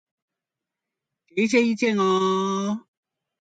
給一些意見喔!